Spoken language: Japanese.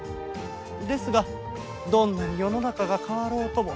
ですがどんなに世の中が変わろうとも